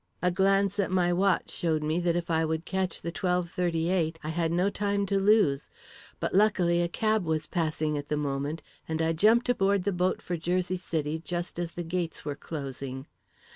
A glance at my watch showed me that if I would catch the 12.38, I had no time to lose; but luckily a cab was passing at the moment, and I jumped aboard the boat for Jersey City just as the gates were closing.